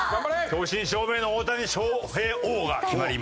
正真正銘の大谷翔平王が決まります。